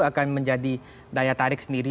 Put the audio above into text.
akan menjadi daya tarik sendiri